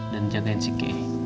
dan jagain si kay